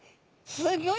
すギョい